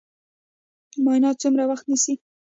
معاینات څومره وخت نیسي؟